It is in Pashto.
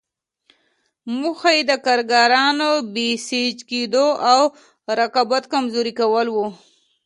موخه یې د کارګرانو بسیج کېدو او رقابت کمزوري کول وو.